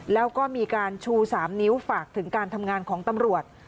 แล้วก็มีการชู๓นิ้วฝากถึงการทำงานของตำรวจ